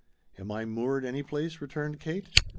"Am I 'moored' any place?" returned Kate.